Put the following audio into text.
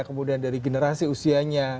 kemudian dari generasi usianya